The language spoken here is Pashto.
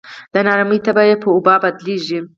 د نا ارامۍ تبه یې په وبا بدلېږي.